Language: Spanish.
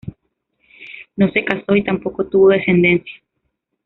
No se casó y tampoco tuvo descendencia.